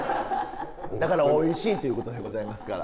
だからおいしいっていうことでございますから。